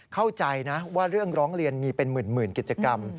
เข้าใจนะว่าเรื่องร้องเรียนมีเป็นหมื่นกิจกรรม